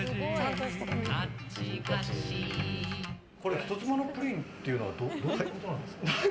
人妻のプリンというのはどういうことなんですか？